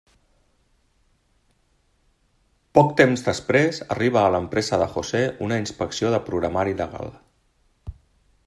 Poc temps després, arriba a l'empresa de José una inspecció de programari legal.